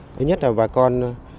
thứ nhất là bà con